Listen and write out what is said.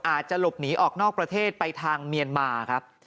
อาจจะหลบหนีออกนอกประเทศไปทางเมียนมาครับ